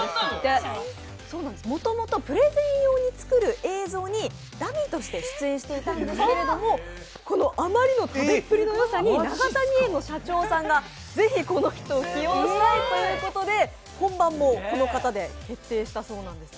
もともとプレゼン用に作る映像にダミーとして出演していたんですけど、このあまりの食べっぷりのよさに永谷園の社長さんがぜひこの人を起用したいということで本番もこの方で決定したそうです。